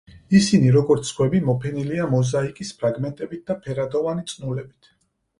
ისინი როგორც სხვები მოფენილია მოზაიკის ფრაგმენტებით და ფერადოვანი წნულებით.